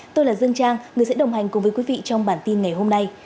tôi là dương trang người sẽ đồng hành cùng với quý vị trong bản tin ngày hôm nay